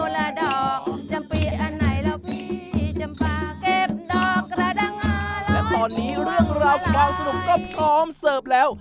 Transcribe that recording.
และตอนนี้เรื่องราวความสนุกก็พร้อมเสิร์ฟแล้ว